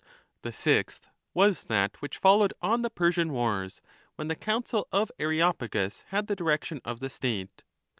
The sixth was that which followed on the Persian wars, when the Council of Areopagus had the direction of the state.